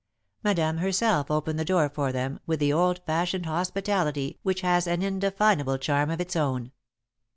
Madame herself opened the door for them, with the old fashioned hospitality which has an indefinable charm of its own.